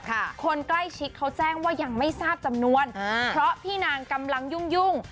คนใกล้ชิดเขาแจ้งว่ายังไม่ทราบจำนวนอ่าเพราะพี่นางกำลังยุ่งยุ่ง